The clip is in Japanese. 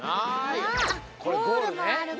あゴールもあるから。